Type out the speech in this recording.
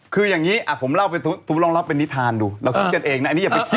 คืออย่างนี้ผมเล่าเป็นสมมุติลองเล่าเป็นนิทานดูเราคิดกันเองนะอันนี้อย่าไปคิด